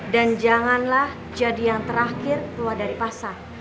dan janganlah jadi yang terakhir keluar dari pasar